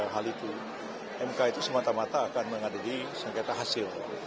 hal itu mk itu semata mata akan mengadu di sengketa hasil